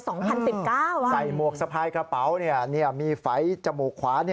หมวกสะพายกระเป๋ามีไฝจมูกขวา